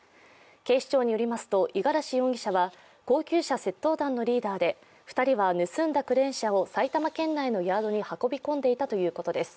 警視庁によりますと、五十嵐容疑者は高級車窃盗団のリーダーで２人は盗んだ車を埼玉県内のヤードに運び込んでいたということです。